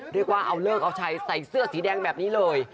เรียกว่าเอาเลิกเอาชัยใส่เสื้อสีแดงแบบนี้เลย